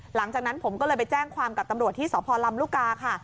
หลังจากนั้นผมก็เลยไปแจ้งความกับตำรวจที่สพลำลูกกาค่ะ